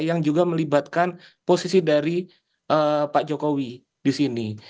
yang juga melibatkan posisi dari pak jokowi di sini